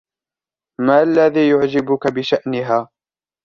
ما الذي يعجبك بشأنها؟